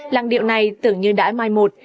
làn điệu này tưởng như đã mai một